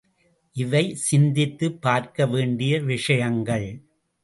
இவை சிந்தித்துப் பார்க்க வேண்டிய விஷயங்கள்.